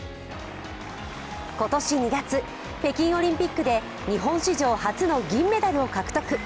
今年２月、北京オリンピックで日本史上初の銀メダルを獲得。